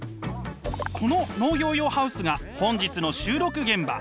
この農業用ハウスが本日の収録現場。